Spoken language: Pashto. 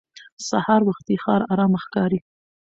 سهار وختي ښار ارام ښکاري